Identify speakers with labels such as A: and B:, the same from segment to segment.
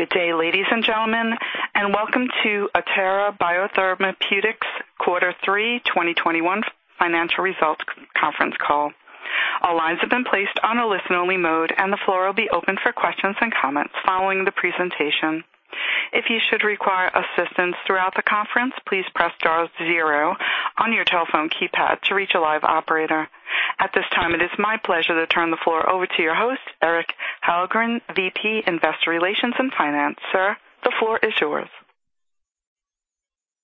A: Good day, ladies and gentlemen, and welcome to Atara Biotherapeutics Quarter Three 2021 Financial Results Conference Call. All lines have been placed on a listen-only mode, and the floor will be open for questions and comments following the presentation. If you should require assistance throughout the conference, please press star zero on your telephone keypad to reach a live operator. At this time, it is my pleasure to turn the floor over to your host, Eric Hyllengren, VP, Investor Relations and Finance. Sir, the floor is yours.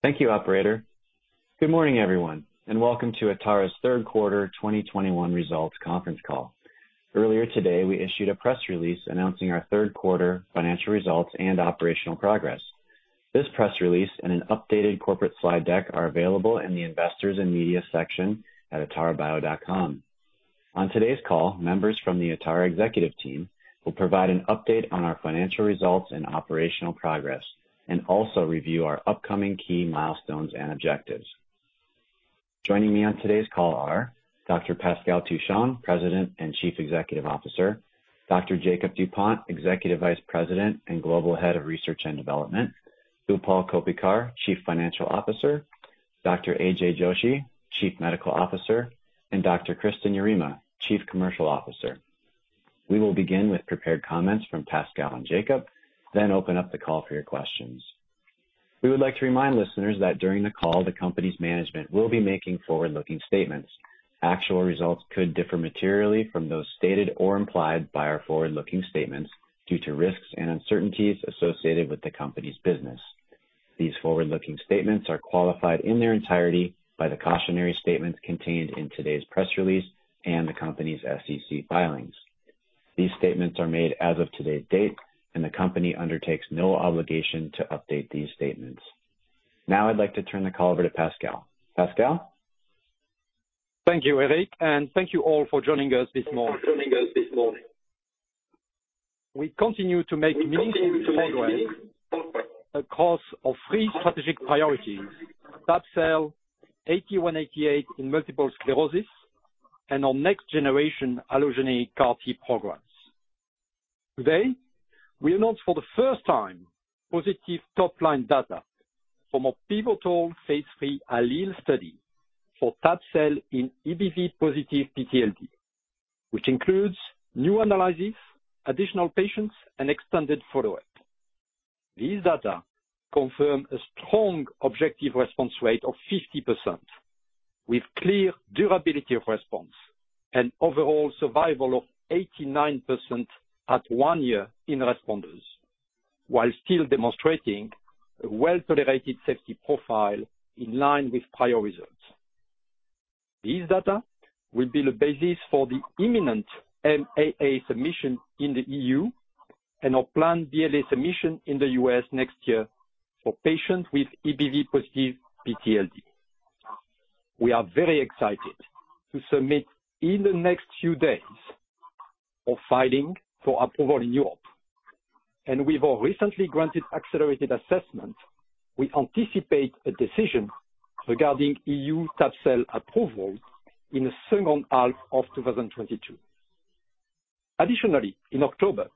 B: Thank you, operator. Good morning, everyone, and welcome to Atara's third quarter 2021 results conference call. Earlier today, we issued a press release announcing our third quarter financial results and operational progress. This press release and an updated corporate slide deck are available in the Investors and Media section at atarabio.com. On today's call, members from the Atara executive team will provide an update on our financial results and operational progress, and also review our upcoming key milestones and objectives. Joining me on today's call are Dr. Pascal Touchon, President and Chief Executive Officer, Dr. Jakob Dupont, Executive Vice President and Global Head of Research and Development, Utpal Koppikar, Chief Financial Officer, Dr. AJ Joshi, Chief Medical Officer, and Dr. Kristin Yarema, Chief Commercial Officer. We will begin with prepared comments from Pascal and Jakob, then open up the call for your questions. We would like to remind listeners that during the call, the company's management will be making forward-looking statements. Actual results could differ materially from those stated or implied by our forward-looking statements due to risks and uncertainties associated with the company's business. These forward-looking statements are qualified in their entirety by the cautionary statements contained in today's press release and the company's SEC filings. These statements are made as of today's date, and the company undertakes no obligation to update these statements. Now I'd like to turn the call over to Pascal. Pascal.
C: Thank you, Eric, and thank you all for joining us this morning. We continue to make meaningful progress across our three strategic priorities, tab-cel, ATA188 in multiple sclerosis, and our next-generation allogeneic CAR-T programs. Today, we announce for the first time positive top-line data from our pivotal phase III ALLELE study for tab-cel in EBV+ PTLD, which includes new analysis, additional patients, and extended follow up. These data confirm a strong objective response rate of 50%, with clear durability of response and overall survival of 89% at 1 year in responders, while still demonstrating a well-tolerated safety profile in line with prior results. These data will be the basis for the imminent MAA submission in the E.U. and our planned BLA submission in the U.S. next year for patients with EBV+ PTLD. We are very excited to submit our filing in the next few days for approval in Europe. With our recently granted accelerated assessment, we anticipate a decision regarding EU Tab-cel approval in the second half of 2022. Additionally, in October,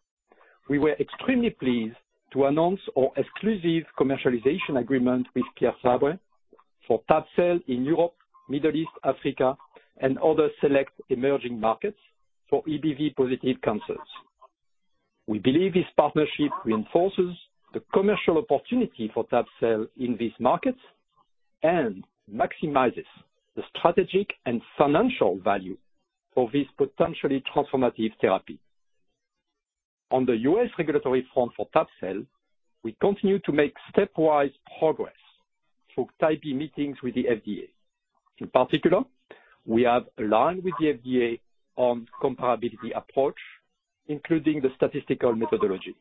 C: we were extremely pleased to announce our exclusive commercialization agreement with Pierre Fabre for tab-cel in Europe, Middle East, Africa, and other select emerging markets for EBV-positive cancers. We believe this partnership reinforces the commercial opportunity for tab-cel in these markets and maximizes the strategic and financial value of this potentially transformative therapy. On the U.S. regulatory front for tab-cel, we continue to make stepwise progress through Type B meetings with the FDA. In particular, we have aligned with the FDA on comparability approach, including the statistical methodology.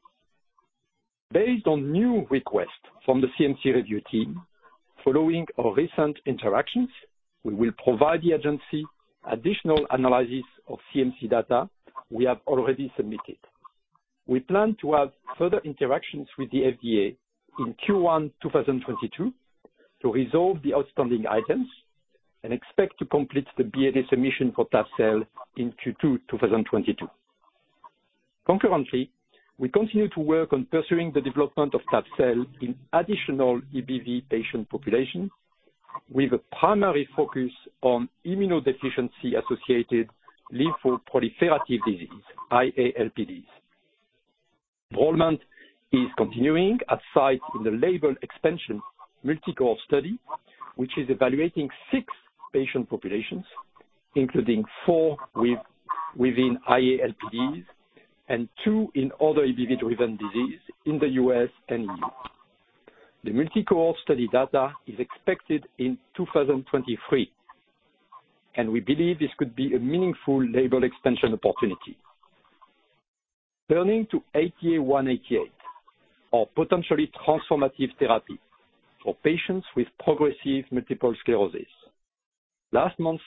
C: Based on new requests from the CMC review team following our recent interactions, we will provide the agency additional analysis of CMC data we have already submitted. We plan to have further interactions with the FDA in Q1 2022 to resolve the outstanding items and expect to complete the BLA submission for tab-cel in Q2 2022. Concurrently, we continue to work on pursuing the development of tab-cel in additional EBV patient populations with a primary focus on immunodeficiency-associated lymphoproliferative disorders, IA-LPDs. Enrollment is continuing at sites in the label expansion multi-cohort study, which is evaluating six patient populations, including four within IA-LPDs and two in other EBV-driven disease in the U.S. and EU. The multi-cohort study data is expected in 2023, and we believe this could be a meaningful label extension opportunity. Turning to ATA188, our potentially transformative therapy for patients with progressive multiple sclerosis. Last month,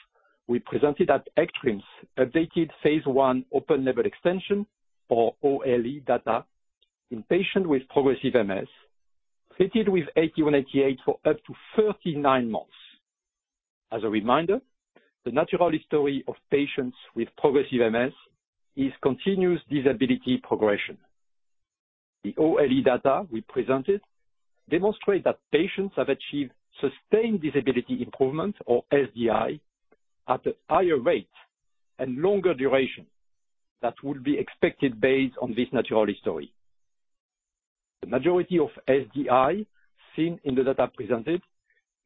C: we presented at ECTRIMS updated phase I open-label extension, or OLE, data in patients with progressive MS treated with ATA188 for up to 39 months. As a reminder, the natural history of patients with progressive MS is continuous disability progression. The OLE data we presented demonstrate that patients have achieved sustained disability improvement, or SDI, at a higher rate and longer duration than would be expected based on this natural history. The majority of SDI seen in the data presented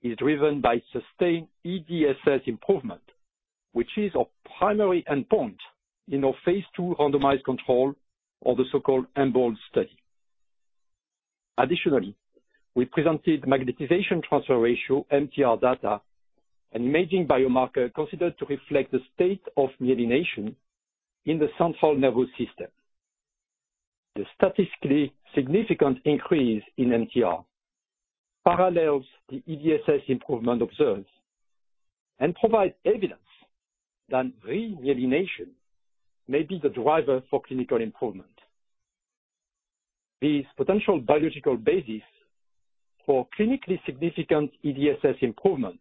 C: is driven by sustained EDSS improvement, which is our primary endpoint in our phase II randomized controlled EMBOLD study. Additionally, we presented magnetization transfer ratio, MTR, data, an imaging biomarker considered to reflect the state of myelination in the central nervous system. The statistically significant increase in MTR parallels the EDSS improvement observed and provides evidence that remyelination may be the driver for clinical improvement. This potential biological basis for clinically significant EDSS improvement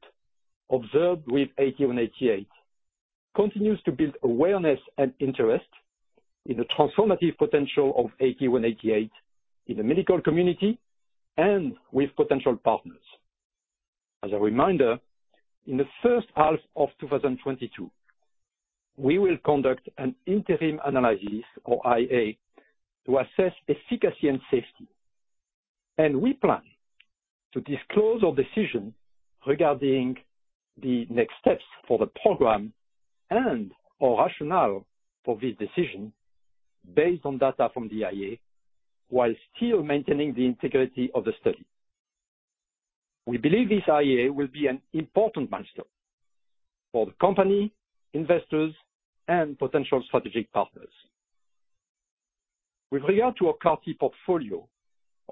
C: observed with ATA188 continues to build awareness and interest in the transformative potential of ATA188 in the medical community and with potential partners. As a reminder, in the first half of 2022, we will conduct an interim analysis, or IA, to assess efficacy and safety. We plan to disclose our decision regarding the next steps for the program and our rationale for this decision based on data from the IA while still maintaining the integrity of the study. We believe this IA will be an important milestone for the company, investors, and potential strategic partners. With regard to our CAR-T portfolio,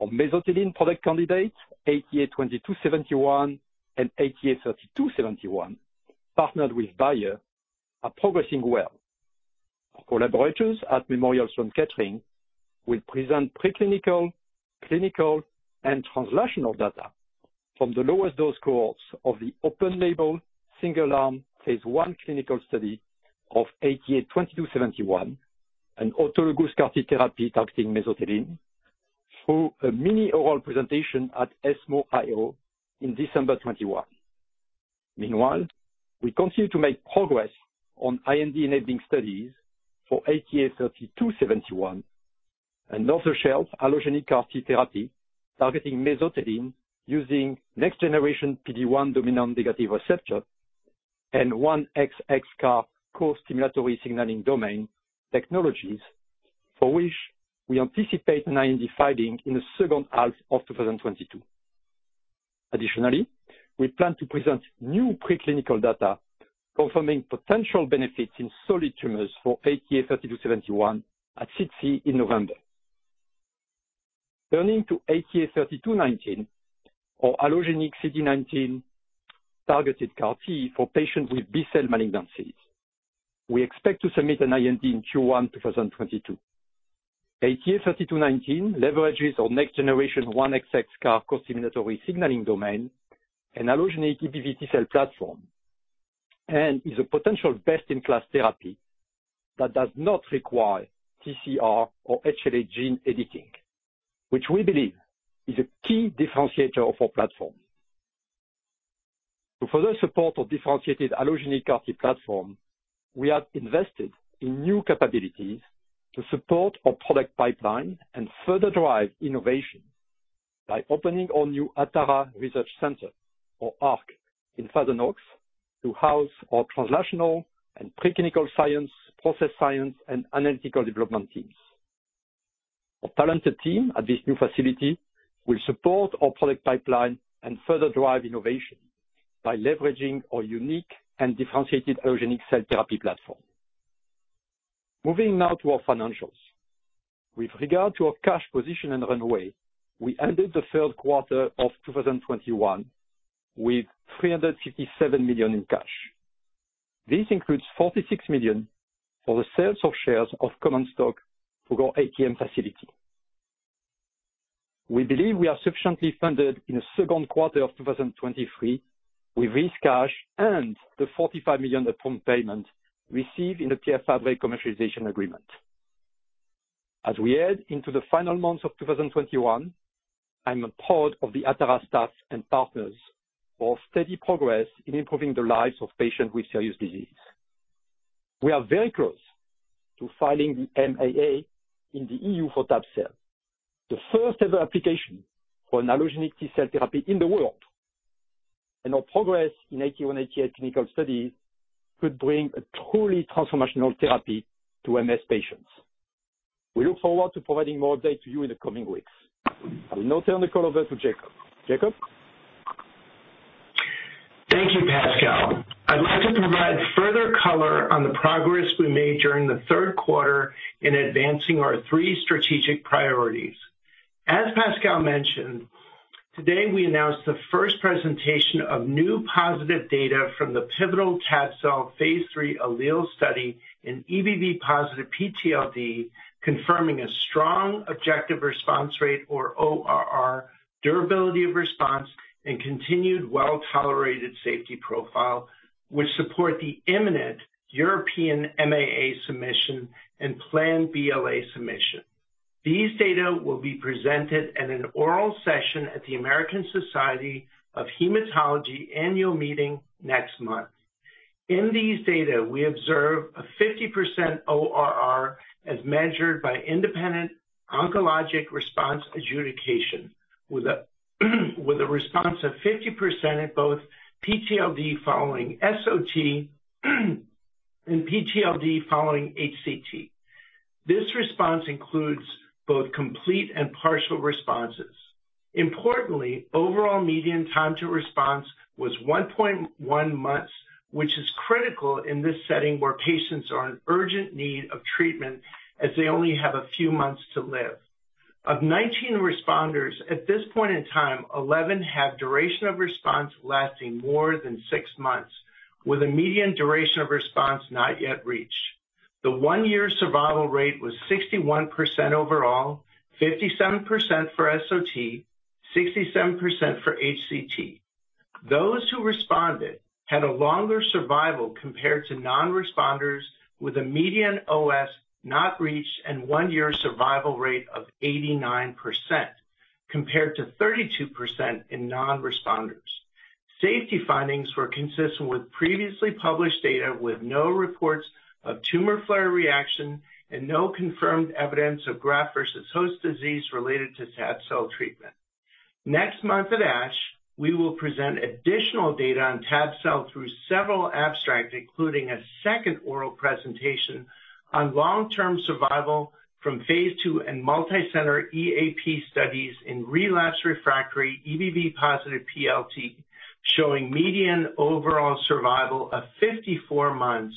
C: our mesothelin product candidates, ATA2271 and ATA3271, partnered with Bayer, are progressing well. Our collaborators at Memorial Sloan Kettering will present pre-clinical, clinical, and translational data from the lowest dose cohorts of the open-label single-arm phase I clinical study of ATA2271, an autologous CAR-T therapy targeting mesothelin, through a mini oral presentation at ESMO IO in December 2021. Meanwhile, we continue to make progress on IND-enabling studies for ATA3271, an off-the-shelf allogeneic CAR-T therapy targeting mesothelin using next-generation PD-1 dominant negative receptor and 1XX CAR co-stimulatory signaling domain technologies, for which we anticipate an IND filing in the second half of 2022. Additionally, we plan to present new pre-clinical data confirming potential benefits in solid tumors for ATA3271 at SITC in November. Turning to ATA3219, our allogeneic CD19-targeted CAR-T for patients with B-cell malignancies. We expect to submit an IND in Q1 2022. ATA3219 leverages our next-generation 1XX CAR co-stimulatory signaling domain and allogeneic EBV T-cell platform, and is a potential best-in-class therapy that does not require TCR or HLA gene editing, which we believe is a key differentiator of our platform. To further support our differentiated allogeneic CAR-T platform, we have invested in new capabilities to support our product pipeline and further drive innovation by opening our new Atara Research Center, or ARC, in Thousand Oaks, to house our translational and preclinical science, process science, and analytical development teams. Our talented team at this new facility will support our product pipeline and further drive innovation by leveraging our unique and differentiated allogeneic cell therapy platform. Moving now to our financials. With regard to our cash position and runway, we ended the third quarter of 2021 with $357 million in cash. This includes $46 million for the sales of shares of common stock through our ATM facility. We believe we are sufficiently funded into the second quarter of 2023 with this cash and the $45 million upon payment received in the Pierre Fabre commercialization agreement. As we head into the final months of 2021, I'm proud of the Atara staff and partners for steady progress in improving the lives of patients with serious disease. We are very close to filing the MAA in the EU for tab-cel, the first ever application for an allogeneic T-cell therapy in the world. Our progress in ATA188 clinical study could bring a truly transformational therapy to MS patients. We look forward to providing more updates to you in the coming weeks. I will now turn the call over to Jakob. Jakob?
D: Thank you, Pascal. I'd like to provide further color on the progress we made during the third quarter in advancing our three strategic priorities. As Pascal mentioned, today, we announced the first presentation of new positive data from the pivotal tab-cel phase III ALLELE study in EBV+ PTLD, confirming a strong objective response rate, or ORR, durability of response and continued well-tolerated safety profile, which support the imminent European MAA submission and planned BLA submission. These data will be presented at an oral session at the American Society of Hematology annual meeting next month. In these data, we observe a 50% ORR as measured by independent oncologic response adjudication, with a response of 50% at both PTLD following SOT and PTLD following HCT. This response includes both complete and partial responses. Importantly, overall median time to response was 1.1 months, which is critical in this setting where patients are in urgent need of treatment as they only have a few months to live. Of 19 responders at this point in time, 11 have duration of response lasting more than six months, with a median duration of response not yet reached. The one-year survival rate was 61% overall, 57% for SOT, 67% for HCT. Those who responded had a longer survival compared to non-responders with a median OS not reached and one-year survival rate of 89% compared to 32% in non-responders. Safety findings were consistent with previously published data, with no reports of tumor flare reaction and no confirmed evidence of graft versus host disease related to tab-cel treatment. Next month at ASH, we will present additional data on tab-cel through several abstracts, including a second oral presentation on long-term survival from phase II and multi-center EAP studies in relapsed refractory EBV-positive PTLD, showing median overall survival of 54 months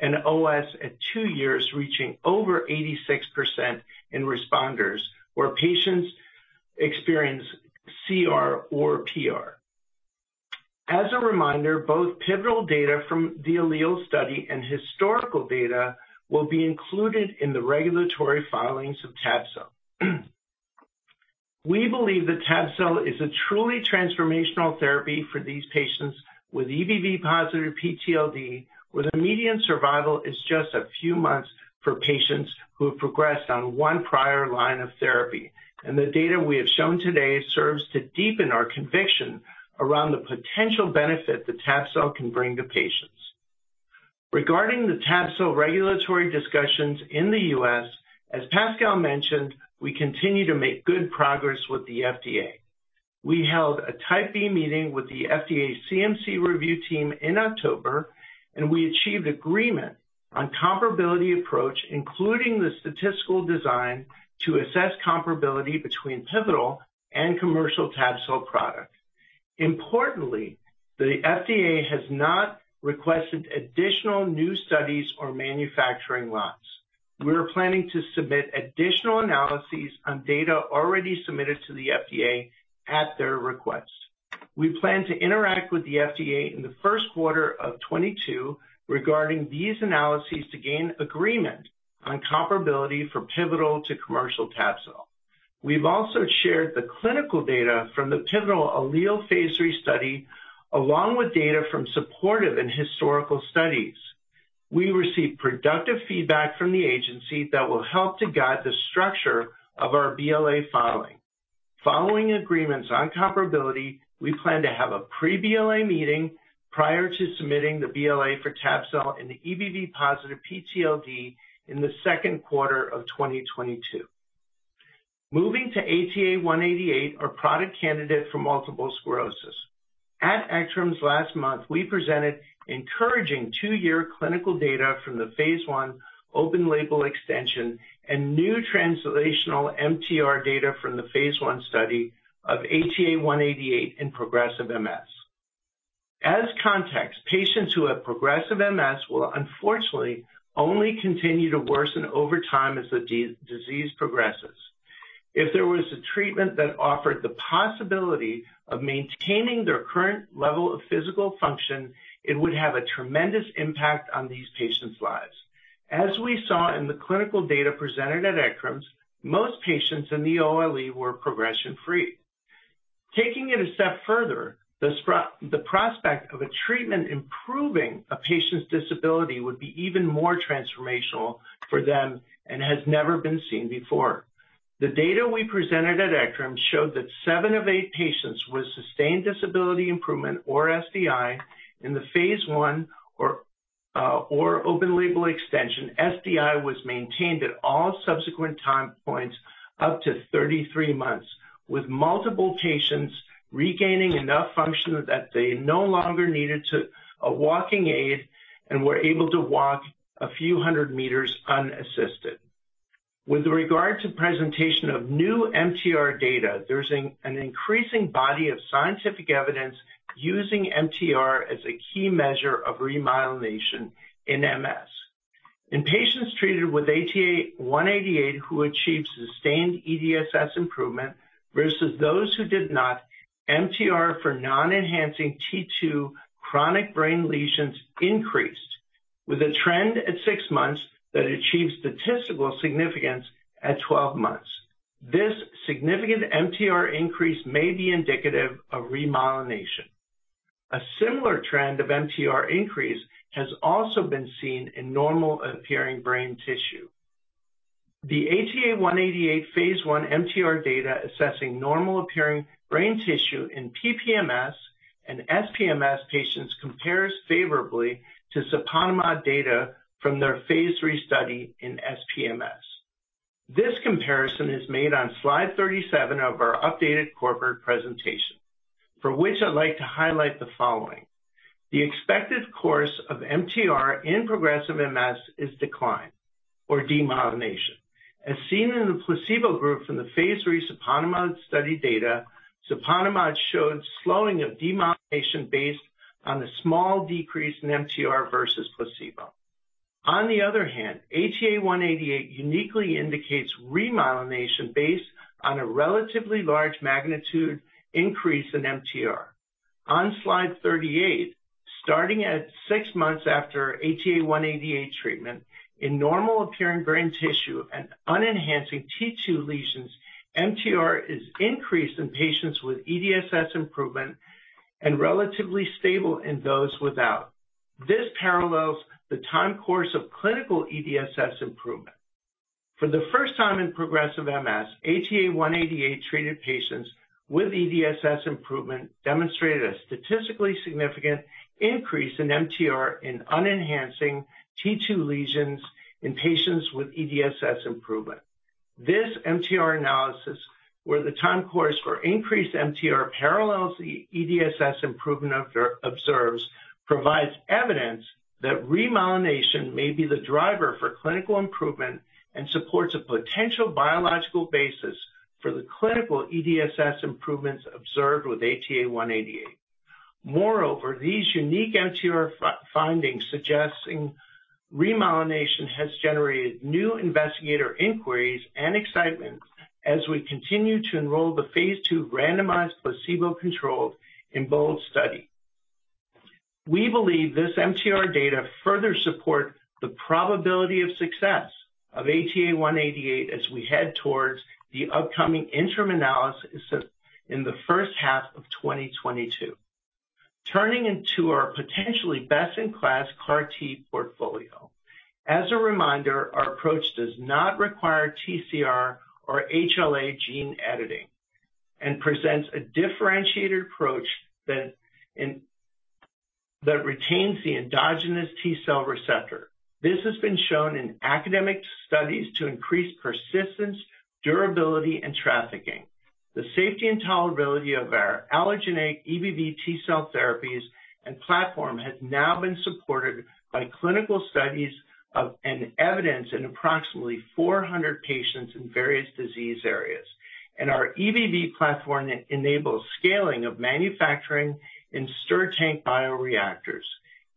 D: and OS at 2 years, reaching over 86% in responders where patients experience CR or PR. As a reminder, both pivotal data from the ALLELE study and historical data will be included in the regulatory filings of tab-cel. We believe that tab-cel is a truly transformational therapy for these patients with EBV-positive PTLD, where the median survival is just a few months for patients who have progressed on one prior line of therapy. The data we have shown today serves to deepen our conviction around the potential benefit that tab-cel can bring to patients. Regarding the tab-cel regulatory discussions in the U.S., as Pascal mentioned, we continue to make good progress with the FDA. We held a Type B meeting with the FDA CMC review team in October, and we achieved agreement on comparability approach, including the statistical design, to assess comparability between pivotal and commercial tab-cel products. Importantly, the FDA has not requested additional new studies or manufacturing lots. We are planning to submit additional analyses on data already submitted to the FDA at their request. We plan to interact with the FDA in the first quarter of 2022 regarding these analyses to gain agreement on comparability from pivotal to commercial tab-cel. We've also shared the clinical data from the pivotal ALLELE phase III study along with data from supportive and historical studies. We received productive feedback from the agency that will help to guide the structure of our BLA filing. Following agreements on comparability, we plan to have a pre-BLA meeting prior to submitting the BLA for tab-cel in the EBV-positive PTLD in the second quarter of 2022. Moving to ATA188, our product candidate for multiple sclerosis. At ECTRIMS last month, we presented encouraging 2-year clinical data from the phase I open label extension and new translational MTR data from the phase I study of ATA188 in progressive MS. As context, patients who have progressive MS will unfortunately only continue to worsen over time as the disease progresses. If there was a treatment that offered the possibility of maintaining their current level of physical function, it would have a tremendous impact on these patients' lives. As we saw in the clinical data presented at ECTRIMS, most patients in the OLE were progression-free. Taking it a step further, the prospect of a treatment improving a patient's disability would be even more transformational for them and has never been seen before. The data we presented at ECTRIMS showed that seven of eight patients with sustained disability improvement or SDI in the phase I or open label extension, SDI was maintained at all subsequent time points up to 33 months, with multiple patients regaining enough function that they no longer needed a walking aid and were able to walk a few hundred meters unassisted. With regard to presentation of new MTR data, there's an increasing body of scientific evidence using MTR as a key measure of remyelination in MS. In patients treated with ATA188 who achieved sustained EDSS improvement versus those who did not, MTR for non-enhancing T2 chronic brain lesions increased, with a trend at 6 months that achieves statistical significance at 12 months. This significant MTR increase may be indicative of remyelination. A similar trend of MTR increase has also been seen in normal-appearing brain tissue. The ATA188 phase I MTR data assessing normal-appearing brain tissue in PPMS and SPMS patients compares favorably to siponimod data from their phase III study in SPMS. This comparison is made on slide 37 of our updated corporate presentation, for which I'd like to highlight the following. The expected course of MTR in progressive MS is decline or demyelination. As seen in the placebo group from the phase III siponimod study data, siponimod showed slowing of demyelination based on the small decrease in MTR versus placebo. On the other hand, ATA188 uniquely indicates remyelination based on a relatively large magnitude increase in MTR. On slide 38, starting at 6 months after ATA188 treatment in normal-appearing brain tissue and unenhancing T2 lesions, MTR is increased in patients with EDSS improvement and relatively stable in those without. This parallels the time course of clinical EDSS improvement. For the first time in progressive MS, ATA188-treated patients with EDSS improvement demonstrated a statistically significant increase in MTR in unenhancing T2 lesions in patients with EDSS improvement. This MTR analysis, where the time course for increased MTR parallels the EDSS improvement of the observed, provides evidence that remyelination may be the driver for clinical improvement and supports a potential biological basis for the clinical EDSS improvements observed with ATA188. Moreover, these unique MTR findings suggesting remyelination has generated new investigator inquiries and excitement as we continue to enroll the phase II randomized placebo-controlled EMBOLD study. We believe this MTR data further support the probability of success of ATA188 as we head towards the upcoming interim analysis in the first half of 2022. Turning to our potentially best-in-class CAR-T portfolio. As a reminder, our approach does not require TCR or HLA gene editing and presents a differentiated approach that that retains the endogenous T-cell receptor. This has been shown in academic studies to increase persistence, durability, and trafficking. The safety and tolerability of our allogeneic EBV T-cell therapies and platform has now been supported by clinical studies of, and evidence in approximately 400 patients in various disease areas. Our EBV platform enables scaling of manufacturing in stirred-tank bioreactors.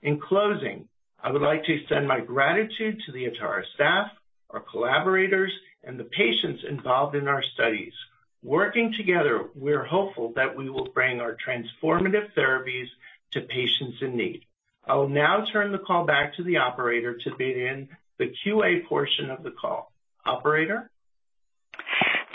D: In closing, I would like to extend my gratitude to the Atara staff, our collaborators, and the patients involved in our studies. Working together, we're hopeful that we will bring our transformative therapies to patients in need. I will now turn the call back to the operator to begin the QA portion of the call. Operator?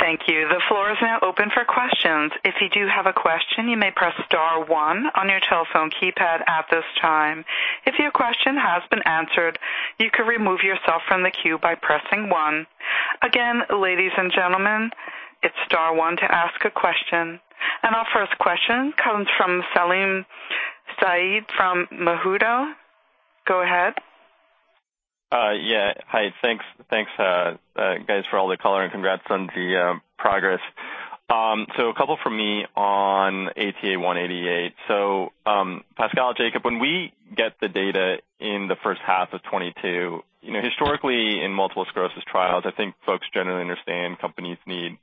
A: Thank you. The floor is now open for questions. If you do have a question, you may press star one on your telephone keypad at this time. If your question has been answered, you can remove yourself from the queue by pressing one. Again, ladies and gentlemen, it's star one to ask a question. Our first question comes from Salim Syed from Mizuho. Go ahead.
E: Yeah. Hi. Thanks, guys, for all the color and congrats on the progress. A couple from me on ATA188. Pascal, Jakob, when we get the data in the first half of 2022, you know, historically in multiple sclerosis trials, I think folks generally understand companies need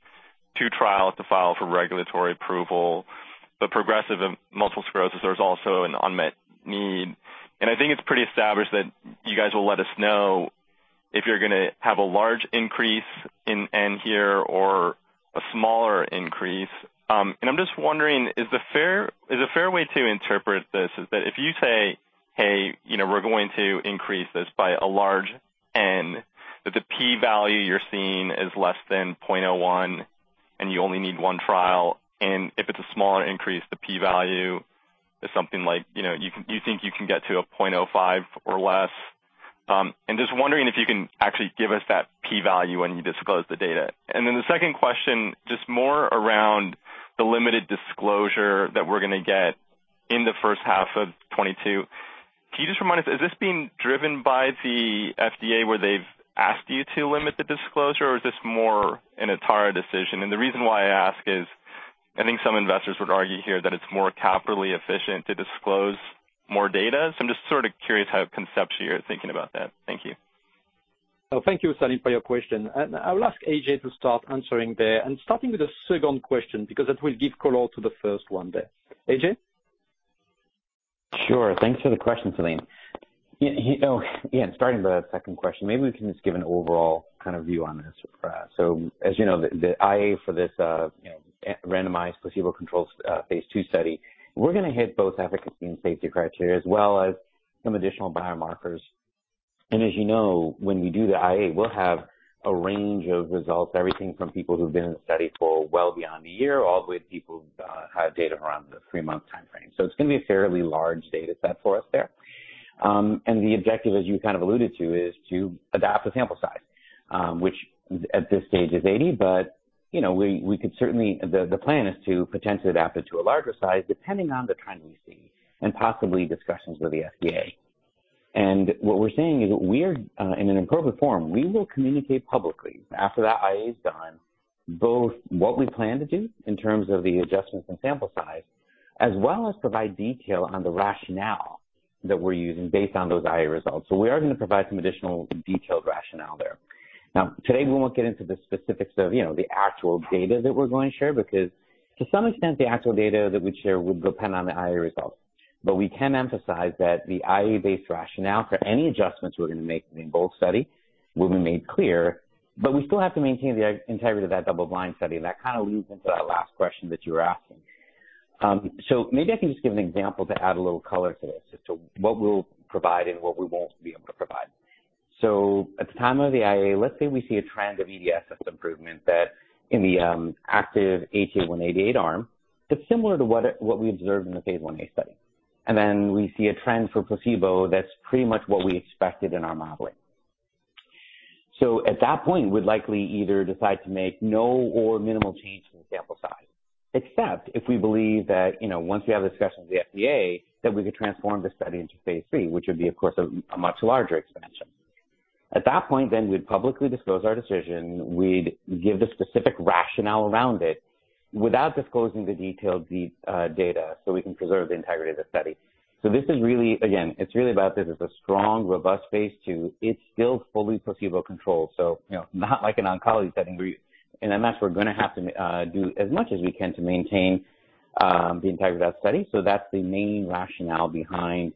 E: two trials to file for regulatory approval. Progressive multiple sclerosis, there's also an unmet need. I think it's pretty established that you guys will let us know if you're gonna have a large increase in N here or a smaller increase. I'm just wondering, is a fair way to interpret this is that if you say, "Hey, you know, we're going to increase this by a large N," that the P value you're seeing is less than 0.01 and you only need one trial, and if it's a smaller increase, the P value is something like, you know, you can, you think you can get to a 0.05 or less? Just wondering if you can actually give us that P value when you disclose the data. The second question, just more around the limited disclosure that we're gonna get in the first half of 2022. Can you just remind us, is this being driven by the FDA, where they've asked you to limit the disclosure, or is this more an Atara decision? The reason why I ask is I think some investors would argue here that it's more capital efficient to disclose more data. I'm just sort of curious how conceptually you're thinking about that. Thank you.
C: Oh, thank you, Salim, for your question. I'll ask AJ to start answering there and starting with the second question because it will give color to the first one there. AJ?
F: Sure. Thanks for the question, Salim. Oh yeah, starting with the second question, maybe we can just give an overall kind of view on this. As you know, the IA for this randomized placebo-controlled phase II study. We're gonna hit both efficacy and safety criteria as well as some additional biomarkers. As you know, when we do the IA, we'll have a range of results, everything from people who've been in the study for well beyond a year, all the way to people who have data around the 3-month timeframe. It's gonna be a fairly large data set for us there. The objective, as you kind of alluded to, is to adapt the sample size, which at this stage is 80. You know, the plan is to potentially adapt it to a larger size depending on the trend we see and possibly discussions with the FDA. What we're saying is we are in an appropriate form, we will communicate publicly after that IA is done, both what we plan to do in terms of the adjustments in sample size, as well as provide detail on the rationale that we're using based on those IA results. We are gonna provide some additional detailed rationale there. Now, today we won't get into the specifics of, you know, the actual data that we're going to share, because to some extent, the actual data that we'd share would depend on the IA results. We can emphasize that the IA-based rationale for any adjustments we're gonna make in both studies will be made clear, but we still have to maintain the blinding integrity of that double-blind study. That kind of leads into that last question that you were asking. Maybe I can just give an example to add a little color to this as to what we'll provide and what we won't be able to provide. At the time of the IA, let's say we see a trend of EDSS improvement that in the active ATA188 arm, that's similar to what we observed in the phase IA study. Then we see a trend for placebo that's pretty much what we expected in our modeling. At that point, we'd likely either decide to make no or minimal change to the sample size, except if we believe that once we have a discussion with the FDA, that we could transform the study into phase III, which would be, of course, a much larger expansion. At that point, then we'd publicly disclose our decision. We'd give the specific rationale around it without disclosing the detailed data so we can preserve the integrity of the study. This is really again, it's really about this as a strong, robust phase II. It's still fully placebo-controlled. Not like an oncology setting where you. In MS, we're gonna have to do as much as we can to maintain the integrity of that study. That's the main rationale behind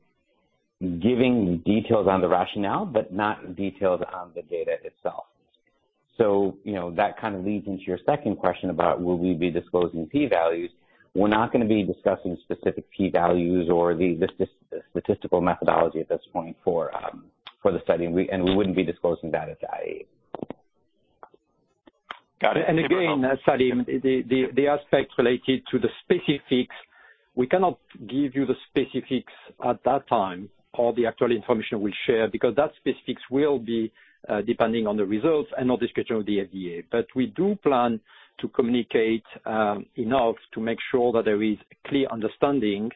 F: giving details on the rationale, but not details on the data itself. You know, that kind of leads into your second question about will we be disclosing P values. We're not gonna be discussing specific P values or the statistical methodology at this point for the study. We wouldn't be disclosing that at the IA.
E: Got it.
C: Again, Salim, the aspects related to the specifics, we cannot give you the specifics at that time or the actual information we share, because that specifics will be depending on the results and our discussion with the FDA. We do plan to communicate enough to make sure that there is clear understanding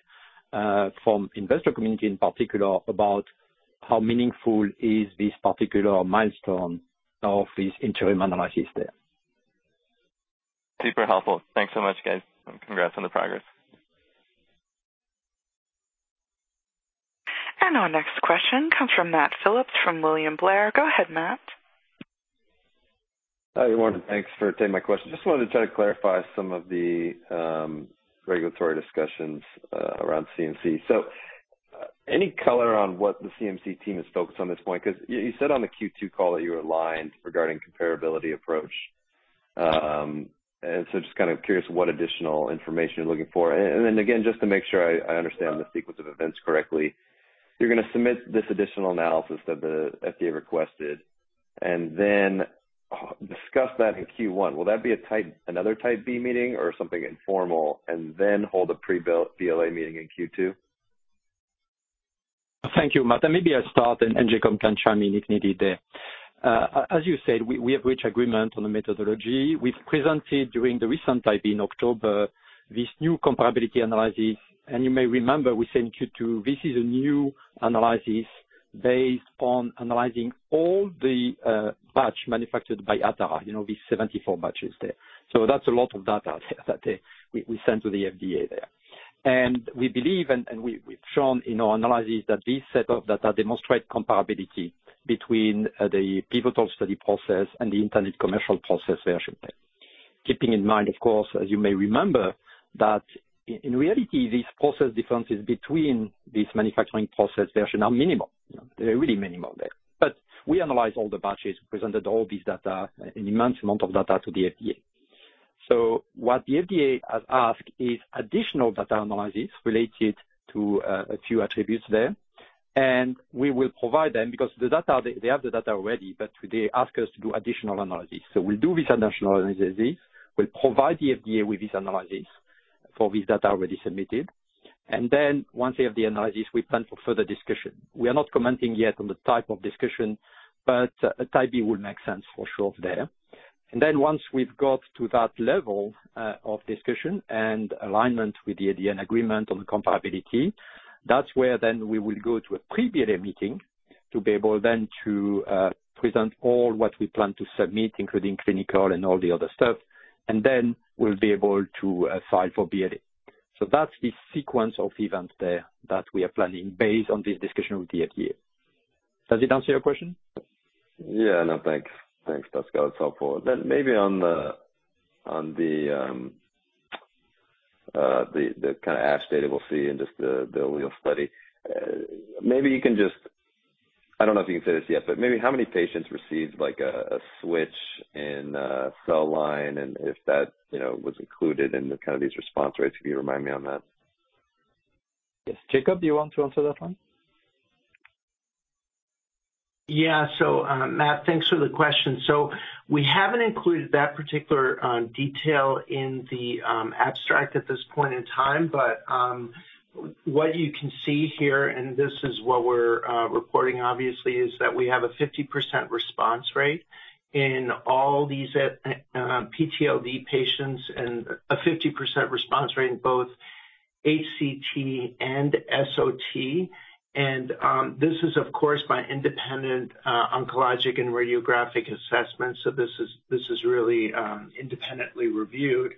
C: from investor community in particular about how meaningful is this particular milestone of this interim analysis there.
E: Super helpful. Thanks so much, guys. Congrats on the progress.
A: Our next question comes from Matt Phipps from William Blair. Go ahead, Matt.
G: Hi, everyone. Thanks for taking my question. Just wanted to try to clarify some of the regulatory discussions around CMC. So, any color on what the CMC team is focused on this point? 'Cause you said on the Q2 call that you were aligned regarding comparability approach. Just kind of curious what additional information you're looking for. Again, just to make sure I understand the sequence of events correctly, you're gonna submit this additional analysis that the FDA requested and then discuss that in Q1. Will that be another Type B meeting or something informal, and then hold a pre-BLA meeting in Q2?
C: Thank you, Matt. Maybe I'll start, and Jakob can chime in if needed there. As you said, we have reached agreement on the methodology. We've presented during the recent Type B in October, this new comparability analysis. You may remember we said in Q2, this is a new analysis based on analyzing all the batch manufactured by Atara, you know, these 74 batches there. So that's a lot of data that we sent to the FDA there. We believe and we've shown in our analysis that this set of data demonstrate comparability between the pivotal study process and the intended commercial process version there. Keeping in mind, of course, as you may remember, that in reality, these process differences between these manufacturing process version are minimal. You know, they're really minimal there. We analyze all the batches, presented all this data, an immense amount of data to the FDA. What the FDA has asked is additional data analysis related to a few attributes there, and we will provide them because the data, they have the data already, but they ask us to do additional analysis. We'll do this additional analysis. We'll provide the FDA with this analysis for this data already submitted. Once they have the analysis, we plan for further discussion. We are not commenting yet on the type of discussion, but a Type B would make sense for sure there. Then once we've got to that level of discussion and alignment with the FDA and agreement on comparability, that's where then we will go to a pre-BLA meeting to be able then to present all what we plan to submit, including clinical and all the other stuff. We'll be able to file for BLA. That's the sequence of events there that we are planning based on the discussion with the FDA. Does it answer your question?
G: Yeah. No, thanks. Thanks, Pascal. It's helpful. Maybe on the kind of ASH data we'll see in just the ALLELE study. Maybe you can just. I don't know if you can say this yet, but maybe how many patients received like a switch in cell line, and if that, you know, was included in the kind of these response rates. Could you remind me on that?
C: Yes. Jakob, do you want to answer that one?
D: Yeah. Matt, thanks for the question. We haven't included that particular detail in the abstract at this point in time. What you can see here, and this is what we're reporting obviously, is that we have a 50% response rate in all these PTLD patients and a 50% response rate in both HCT and SOT. This is of course by independent oncologic and radiographic assessments. This is really independently reviewed.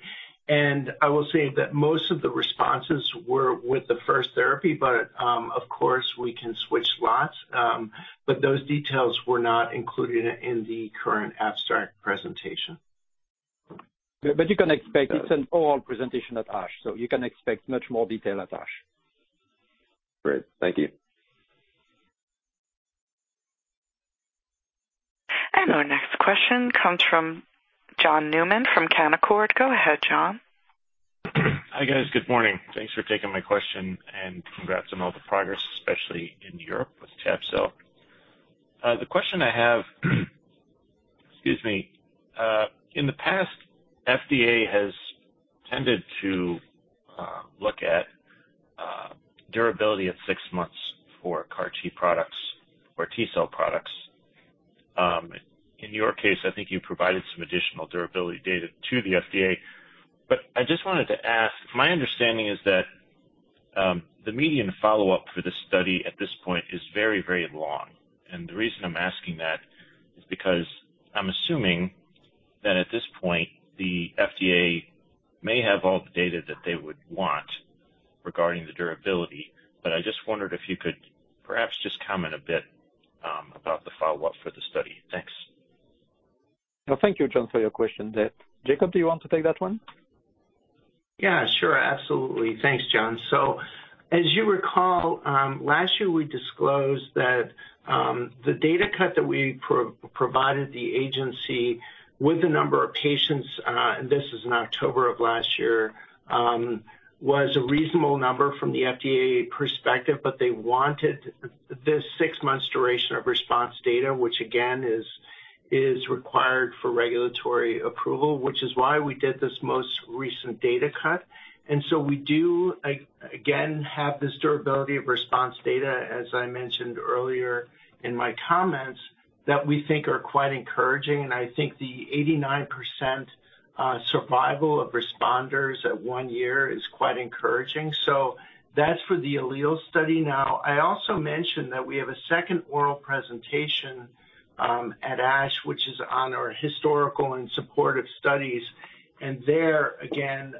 D: I will say that most of the responses were with the first therapy. Of course we can switch lots. Those details were not included in the current abstract presentation.
C: You can expect it's an oral presentation at ASH, so you can expect much more detail at ASH.
G: Great. Thank you.
A: Our next question comes from John Newman from Canaccord. Go ahead, John.
H: Hi, guys. Good morning. Thanks for taking my question and congrats on all the progress, especially in Europe with tab-cel. The question I have, excuse me, in the past, FDA has tended to look at durability at six months for CAR-T products or T-cell products. In your case, I think you provided some additional durability data to the FDA. I just wanted to ask, my understanding is that the median follow up for this study at this point is very, very long. The reason I'm asking that is because I'm assuming that at this point, the FDA may have all the data that they would want regarding the durability. I just wondered if you could perhaps just comment a bit about the follow up for the study. Thanks.
C: No, thank you, John, for your question there. Jakob, do you want to take that one?
D: Yeah, sure. Absolutely. Thanks, John. As you recall, last year we disclosed that the data cut that we provided the agency with the number of patients, and this is in October of last year, was a reasonable number from the FDA perspective, but they wanted this six months duration of response data, which again is required for regulatory approval, which is why we did this most recent data cut. We do, again, have this durability of response data, as I mentioned earlier in my comments, that we think are quite encouraging. I think the 89% survival of responders at one year is quite encouraging. That's for the ALLELE study. Now, I also mentioned that we have a second oral presentation at ASH, which is on our historical and supportive studies. There again,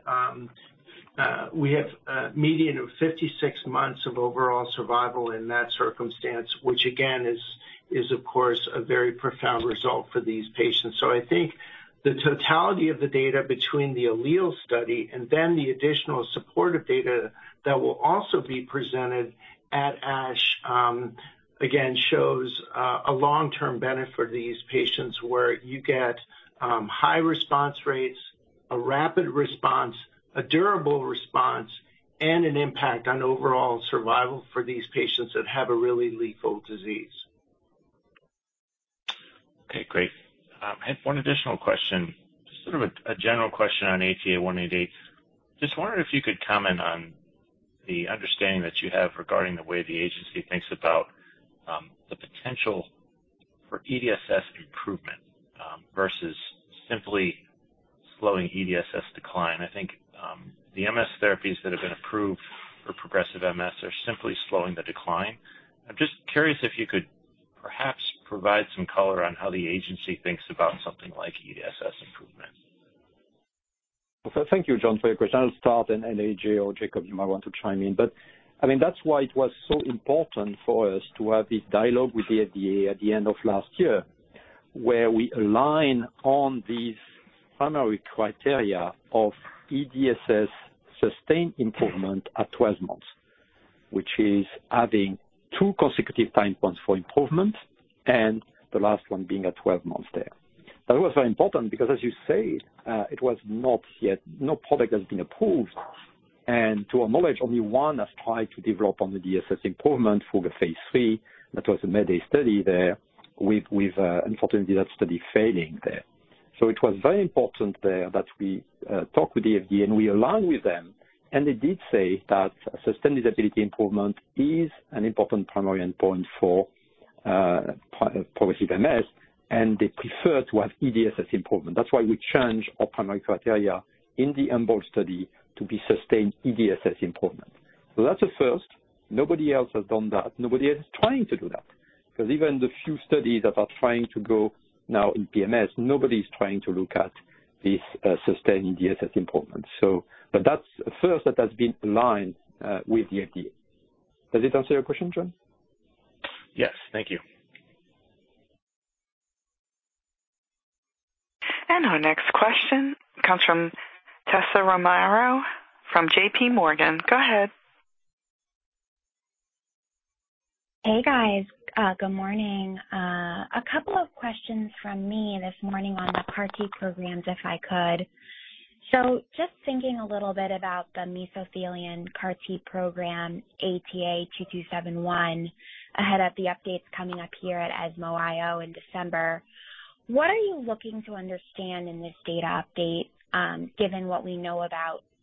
D: we have a median of 56 months of overall survival in that circumstance, which again is of course a very profound result for these patients. I think the totality of the data between the ALLELE study and then the additional supportive data that will also be presented at ASH, again, shows a long-term benefit for these patients where you get high response rates, a rapid response, a durable response, and an impact on overall survival for these patients that have a really lethal disease.
H: Okay, great. I had one additional question, sort of a general question on ATA188. Just wondering if you could comment on the understanding that you have regarding the way the agency thinks about the potential for EDSS improvement versus simply slowing EDSS decline. I think the MS therapies that have been approved for progressive MS are simply slowing the decline. I'm just curious if you could perhaps provide some color on how the agency thinks about something like EDSS improvement.
C: Thank you, John, for your question. I'll start and AJ or Jakob, you might want to chime in. I mean, that's why it was so important for us to have this dialogue with the FDA at the end of last year, where we align on these primary criteria of EDSS sustained improvement at 12 months, which is having 2 consecutive time points for improvement and the last one being at 12 months there. That was very important because as you say, it was not yet. No product has been approved. To our knowledge, only one has tried to develop on the EDSS improvement for the phase III. That was a MedDay study there with unfortunately that study failing there. It was very important there that we talk with the FDA and we align with them. They did say that sustained disability improvement is an important primary endpoint for progressive MS, and they prefer to have EDSS improvement. That's why we changed our primary criteria in the EMBOLD study to be sustained EDSS improvement. That's a first. Nobody else has done that. Nobody else is trying to do that, because even the few studies that are trying to go now in PMS, nobody's trying to look at this sustained EDSS improvement. That's a first that has been aligned with the FDA. Does it answer your question, John?
H: Yes. Thank you.
A: Our next question comes from Tessa Romero from JPMorgan. Go ahead.
I: Hey, guys. Good morning. A couple of questions from me this morning on the CAR-T programs, if I could. Just thinking a little bit about the mesothelin CAR-T program, ATA2271, ahead of the updates coming up here at ESMO IO in December. What are you looking to understand in this data update, given what we know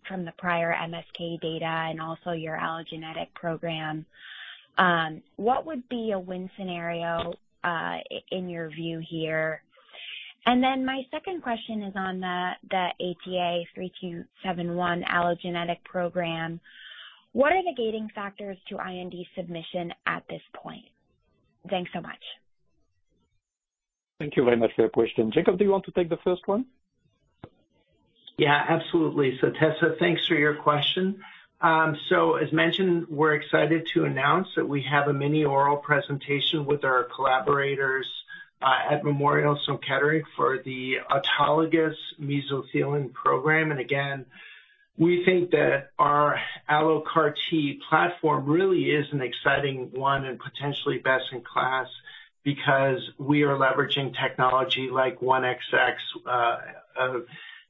I: from the prior MSK data and also your allogeneic program? What would be a win scenario, in your view here? Then my second question is on the ATA3271 allogeneic program. What are the gating factors to IND submission at this point? Thanks so much.
C: Thank you very much for your question. Jakob, do you want to take the first one?
D: Yeah, absolutely. Tessa, thanks for your question. As mentioned, we're excited to announce that we have a mini oral presentation with our collaborators at Memorial Sloan Kettering for the autologous mesothelin program. Again, we think that our Allo CAR-T platform really is an exciting one and potentially best in class because we are leveraging technology like 1XX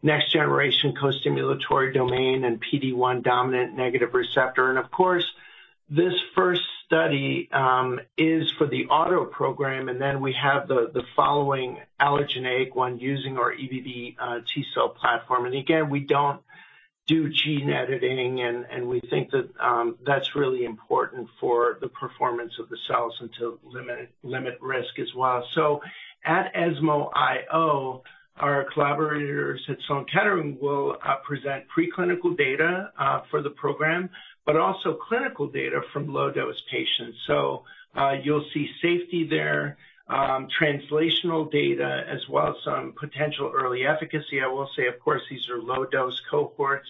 D: next generation co-stimulatory domain and PD-1 dominant negative receptor. Of course, this first study is for the auto program, and then we have the following allogeneic one using our EBV T-cell platform. Again, we don't do gene editing, and we think that that's really important for the performance of the cells and to limit risk as well. At ESMO IO, our collaborators at Memorial Sloan Kettering will present preclinical data for the program, but also clinical data from low-dose patients. You'll see safety there, translational data, as well as some potential early efficacy. I will say, of course, these are low-dose cohorts,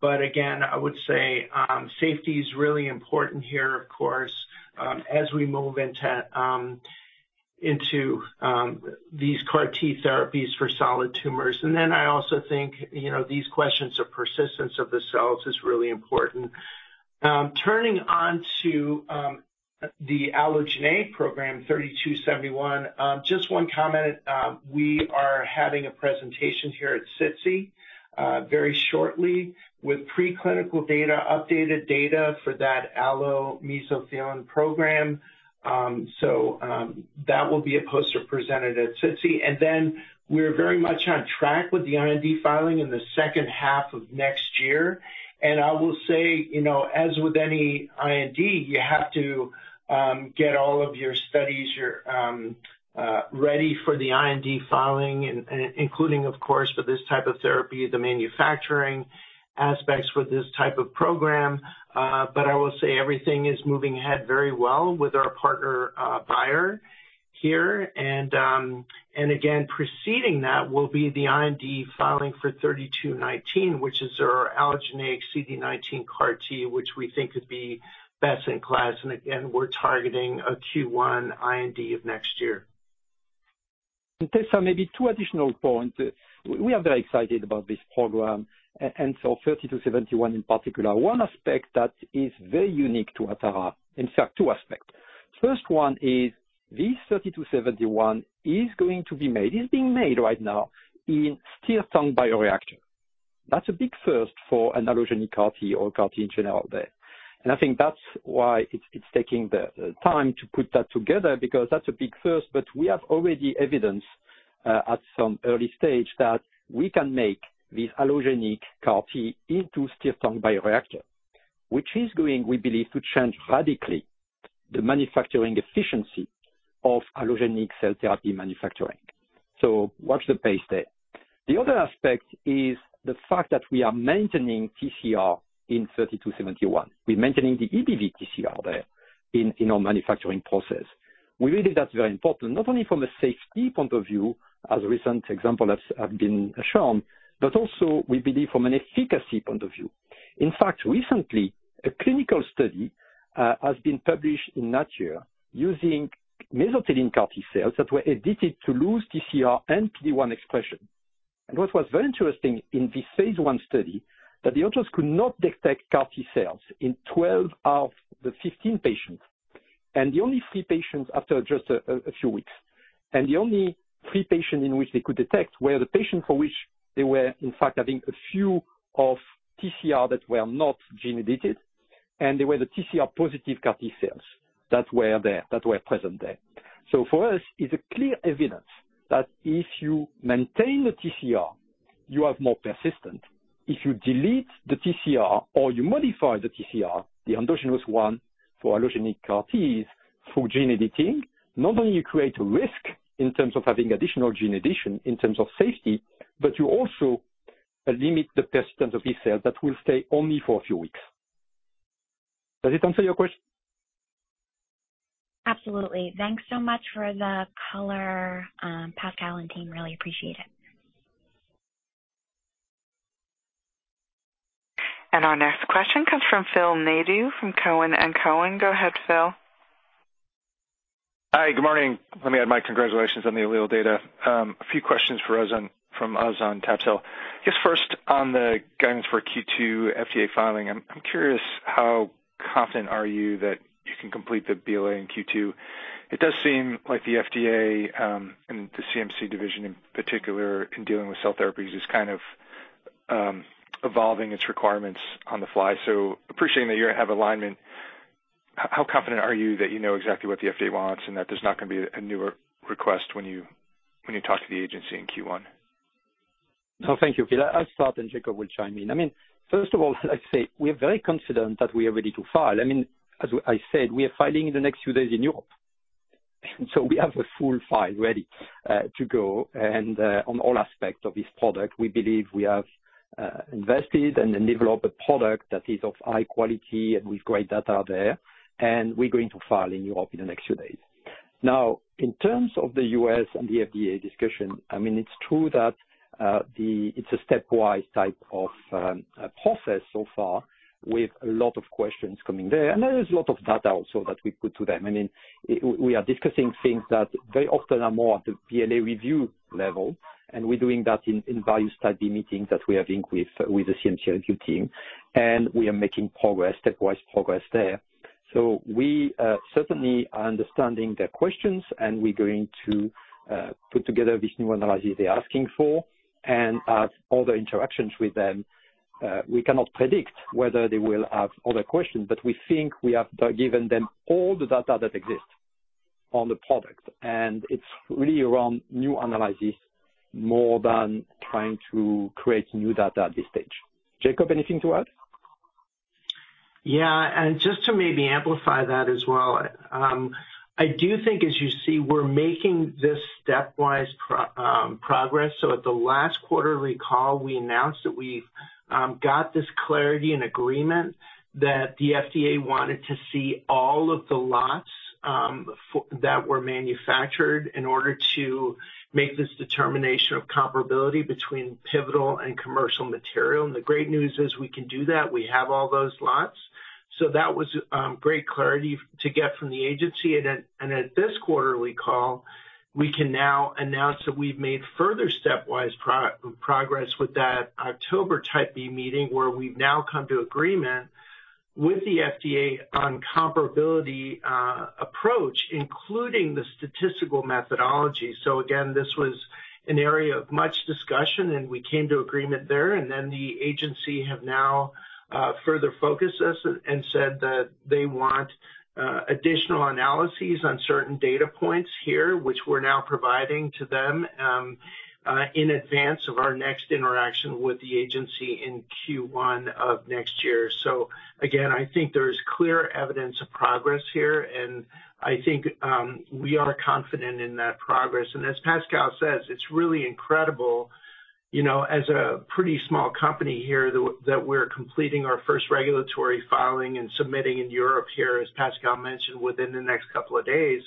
D: but again, I would say safety is really important here, of course, as we move into these CAR-T therapies for solid tumors. I also think, you know, these questions of persistence of the cells is really important. Turning to the allogeneic program 3271. Just one comment. We are having a presentation here at SITC very shortly with preclinical data, updated data for that allogeneic mesothelioma program. That will be a poster presented at SITC. Then we're very much on track with the IND filing in the second half of next year. I will say, you know, as with any IND, you have to get all of your studies, your ready for the IND filing, including of course, for this type of therapy, the manufacturing aspects for this type of program. I will say everything is moving ahead very well with our partner, Bayer here. And again, preceding that will be the IND filing for 3219, which is our allogeneic CD19 CAR-T, which we think could be best in class. We're targeting a Q1 IND of next year.
C: Tessa, maybe two additional points. We are very excited about this program, ATA3271 in particular. One aspect that is very unique to Atara. In fact, two aspects. First one is this ATA3271 is going to be made, is being made right now in stirred-tank bioreactor. That's a big first for an allogeneic CAR-T or CAR-T in general there. I think that's why it's taking the time to put that together, because that's a big first. We have already evidence at some early stage that we can make this allogeneic CAR-T into stirred-tank bioreactor, which, we believe, is going to change radically the manufacturing efficiency of allogeneic cell therapy manufacturing. Watch the pace there. The other aspect is the fact that we are maintaining TCR in ATA3271. We're maintaining the EBV TCR there in our manufacturing process. We believe that's very important, not only from a safety point of view, as recent examples have been shown, but also we believe from an efficacy point of view. In fact, recently a clinical study has been published in Nature using mesothelioma CAR-T cells that were edited to lose TCR and PD-1 expression. What was very interesting in this phase I study that the authors could not detect CAR-T cells in 12 of the 15 patients. The only three patients in which they could detect were the patients for which they were, in fact, having a few of TCR that were not gene edited, and they were the TCR-positive CAR-T cells that were present there. For us, it's a clear evidence that if you maintain the TCR, you are more persistent. If you delete the TCR or you modify the TCR, the endogenous one for allogeneic CAR-Ts through gene editing, not only you create risk in terms of having additional gene addition in terms of safety, but you also limit the persistence of these cells that will stay only for a few weeks. Does it answer your question?
I: Absolutely. Thanks so much for the color, Pascal and team. Really appreciate it.
A: Our next question comes from Phil Nadeau from Cowen and Company. Go ahead, Phil.
J: Hi, good morning. Let me add my congratulations on the ALLELE data. A few questions from us on tab-cel. Just first on the guidance for Q2 FDA filing, I'm curious how confident are you that you can complete the BLA in Q2? It does seem like the FDA and the CMC division in particular in dealing with cell therapies is kind of evolving its requirements on the fly. Appreciating that you have alignment, how confident are you that you know exactly what the FDA wants and that there's not gonna be a newer request when you talk to the agency in Q1?
C: No, thank you, Phil. I'll start, and Jakob will chime in. I mean, first of all, I'd say we're very confident that we are ready to file. I mean, as I said, we are filing in the next few days in Europe, so we have a full file ready to go. On all aspects of this product, we believe we have invested and developed a product that is of high quality and with great data there, and we're going to file in Europe in the next few days. Now, in terms of the U.S. and the FDA discussion, I mean, it's true that it's a stepwise type of process so far with a lot of questions coming there. There is a lot of data also that we put to them. I mean, we are discussing things that very often are more at the BLA review level, and we're doing that in validation study meetings that we are doing with the CMC review team. We are making progress, stepwise progress there. We certainly are understanding their questions, and we're going to put together this new analysis they're asking for and have other interactions with them. We cannot predict whether they will have other questions, but we think we have given them all the data that exists on the product. It's really around new analysis more than trying to create new data at this stage. Jakob, anything to add?
D: Yeah. Just to maybe amplify that as well, I do think as you see, we're making this stepwise progress. At the last quarterly call, we announced that we've got this clarity and agreement that the FDA wanted to see all of the lots that were manufactured in order to make this determination of comparability between pivotal and commercial material. The great news is we can do that. We have all those lots. That was great clarity to get from the agency. At this quarterly call, we can now announce that we've made further stepwise progress with that October Type B meeting, where we've now come to agreement with the FDA on comparability approach, including the statistical methodology. Again, this was an area of much discussion, and we came to agreement there. Then the agency have now further focused us and said that they want additional analyses on certain data points here, which we're now providing to them in advance of our next interaction with the agency in Q1 of next year. Again, I think there is clear evidence of progress here, and I think we are confident in that progress. As Pascal says, it's really incredible, you know, as a pretty small company here that that we're completing our first regulatory filing and submitting in Europe here, as Pascal mentioned, within the next couple of days.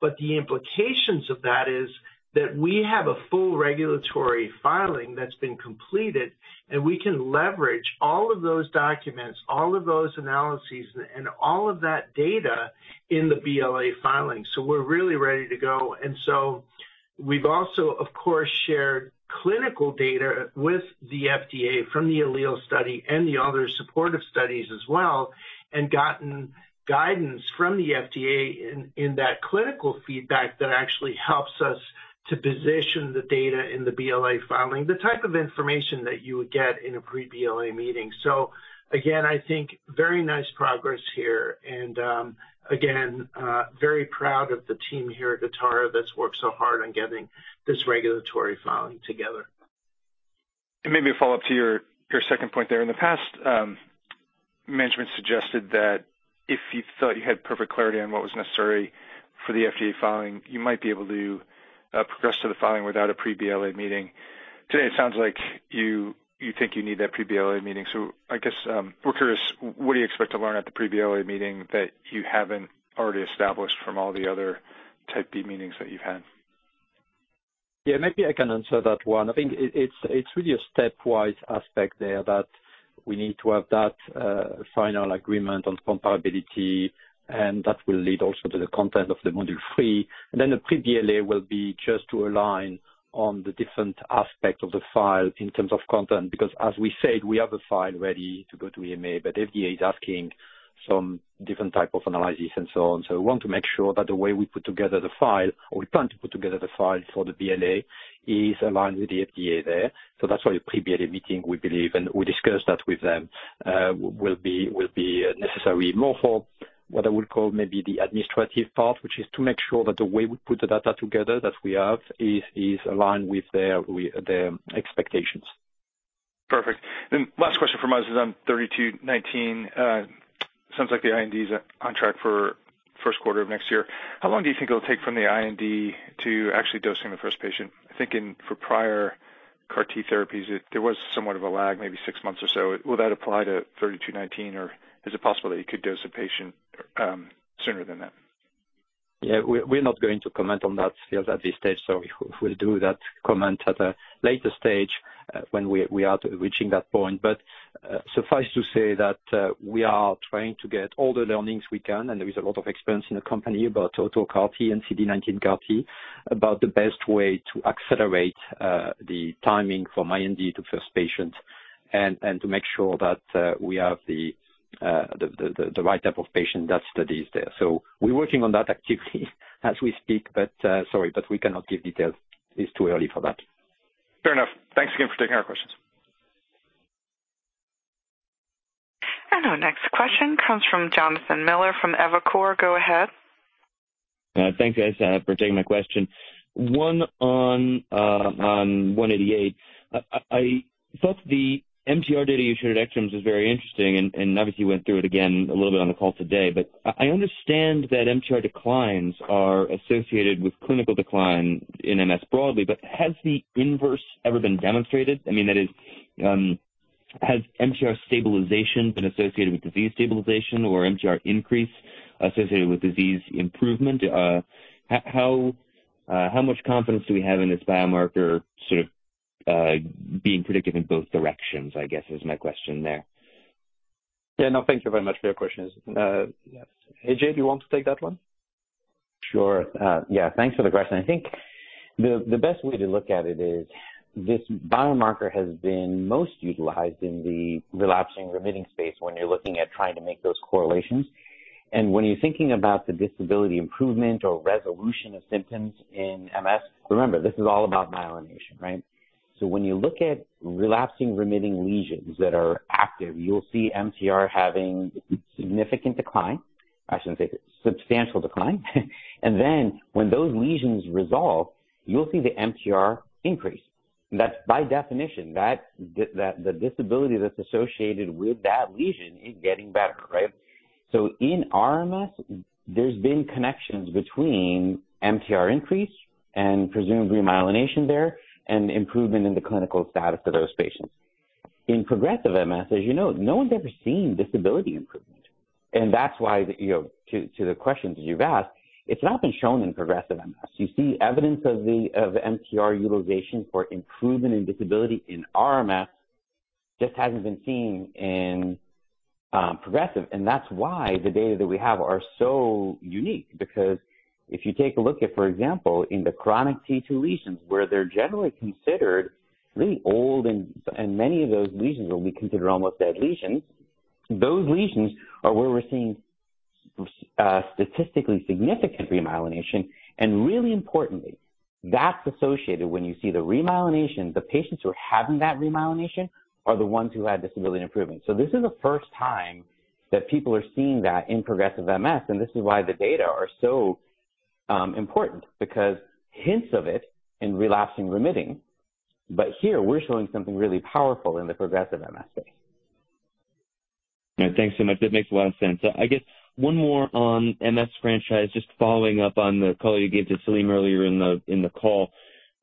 D: The implications of that is that we have a full regulatory filing that's been completed, and we can leverage all of those documents, all of those analyses and all of that data in the BLA filing. We're really ready to go. We've also, of course, shared clinical data with the FDA from the ALLELE study and the other supportive studies as well, and gotten guidance from the FDA in that clinical feedback that actually helps us to position the data in the BLA filing, the type of information that you would get in a pre-BLA meeting. Again, I think very nice progress here. Again, very proud of the team here at Atara that's worked so hard on getting this regulatory filing together.
J: Maybe a follow up to your second point there. In the past, management suggested that if you thought you had perfect clarity on what was necessary for the FDA filing, you might be able to progress to the filing without a pre-BLA meeting. Today, it sounds like you think you need that pre-BLA meeting. I guess, we're curious, what do you expect to learn at the pre-BLA meeting that you haven't already established from all the other Type B meetings that you've had?
C: Yeah, maybe I can answer that one. I think it's really a stepwise aspect there that we need to have final agreement on comparability, and that will lead also to the content of the module 3. Then the pre-BLA will be just to align on the different aspects of the file in terms of content, because as we said, we have a file ready to go to EMA, but FDA is asking some different type of analysis and so on. We want to make sure that the way we put together the file or we plan to put together the file for the BLA is aligned with the FDA there. That's why a pre-BLA meeting, we believe, and we discussed that with them, will be necessary more for what I would call maybe the administrative part, which is to make sure that the way we put the data together that we have is aligned with their expectations.
J: Perfect. Last question from us is on ATA3219. Sounds like the IND is on track for first quarter of next year. How long do you think it'll take from the IND to actually dosing the first patient? I think for prior CAR-T therapies, there was somewhat of a lag, maybe six months or so. Will that apply to ATA3219, or is it possible that you could dose a patient sooner than that?
C: Yeah, we're not going to comment on that field at this stage, so we'll do that comment at a later stage when we are reaching that point. Suffice to say that we are trying to get all the learnings we can, and there is a lot of experience in the company about auto CAR-T and CD19 CAR-T, about the best way to accelerate the timing from IND to first patient and to make sure that we have the the right type of patient that study is there. We're working on that actively as we speak, but sorry, but we cannot give details. It's too early for that.
J: Fair enough. Thanks again for taking our questions.
A: Our next question comes from Jonathan Miller from Evercore. Go ahead.
K: Thanks, guys, for taking my question. One on 188. I thought the MTR data you showed at ECTRIMS was very interesting, and obviously you went through it again a little bit on the call today. I understand that MTR declines are associated with clinical decline in MS broadly, but has the inverse ever been demonstrated? I mean, that is, has MTR stabilization been associated with disease stabilization or MTR increase associated with disease improvement? How much confidence do we have in this biomarker sort of being predictive in both directions, I guess is my question there.
C: Yeah, no, thank you very much for your questions. AJ, do you want to take that one?
F: Sure. Yeah, thanks for the question. I think the best way to look at it is this biomarker has been most utilized in the relapsing remitting space when you're looking at trying to make those correlations. When you're thinking about the disability improvement or resolution of symptoms in MS, remember, this is all about myelination, right? So when you look at relapsing remitting lesions that are active, you'll see MTR having significant decline. I shouldn't say substantial decline. Then when those lesions resolve, you'll see the MTR increase. That's by definition. That's the disability that's associated with that lesion is getting better, right? So in RMS, there's been connections between MTR increase and presumably myelination there and improvement in the clinical status of those patients. In progressive MS, as you know, no one's ever seen disability improvement. That's why, you know, to the questions you've asked, it's not been shown in progressive MS. You see evidence of the MTR utilization for improvement in disability in RMS just hasn't been seen in progressive. That's why the data that we have are so unique, because if you take a look at, for example, in the chronic T2 lesions, where they're generally considered really old and many of those lesions will be considered almost dead lesions. Those lesions are where we're seeing statistically significant remyelination. Really importantly, that's associated when you see the remyelination, the patients who are having that remyelination are the ones who had disability improvement. This is the first time that people are seeing that in progressive MS, and this is why the data are so important because hints of it in relapsing remitting. Here we're showing something really powerful in the progressive MS space.
K: Thanks so much. That makes a lot of sense. I guess one more on MS franchise. Just following up on the call you gave to Salim earlier in the call.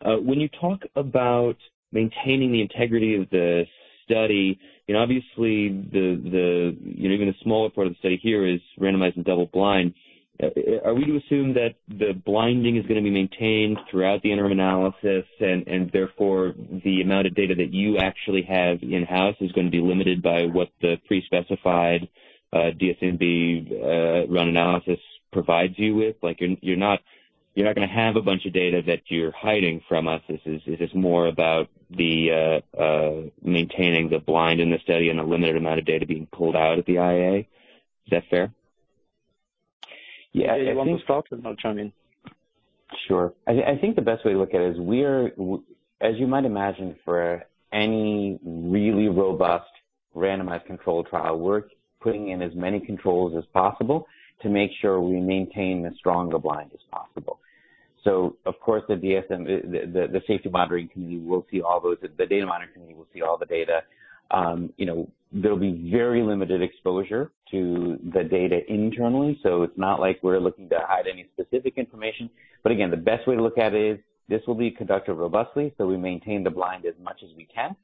K: When you talk about maintaining the integrity of the study, and obviously, you know, even the smaller part of the study here is randomized and double blind. Are we to assume that the blinding is going to be maintained throughout the interim analysis and therefore the amount of data that you actually have in-house is going to be limited by what the pre-specified DSMB run analysis provides you with? Like, you're not going to have a bunch of data that you're hiding from us. This is just more about the maintaining the blind in the study and a limited amount of data being pulled out at the IA. Is that fair?
C: Yeah. You want to start and I'll chime in.
F: Sure. I think the best way to look at it is we are, as you might imagine, for any really robust randomized controlled trial, we're putting in as many controls as possible to make sure we maintain as strong a blind as possible. Of course, the DSMB, the safety monitoring team will see all those. The data monitoring team will see all the data. You know, there'll be very limited exposure to the data internally. It's not like we're looking to hide any specific information. Again, the best way to look at it is this will be conducted robustly, so we maintain the blind as much as we can.